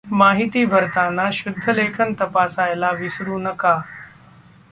माहिती भरताना शुद्धलेखन तपासायला विसरू नका!